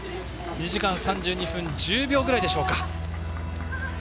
２時間３２分１０秒ぐらいでしょうか。